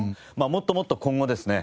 もっともっと今後ですね